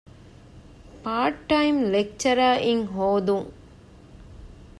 ޕާރޓްޓައިމް ލެކްޗަރަރ އިން ހޯދުން